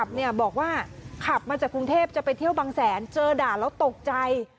บอกว่าขับมาจากกรุงเทพจะไปเที่ยวบางแสนเจอด่าแล้วตกใจ